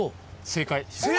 正解！？